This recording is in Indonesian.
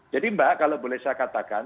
jadi mbak kalau boleh saya katakan